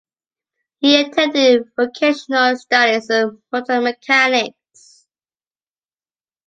He attended vocational studies in motor mechanics.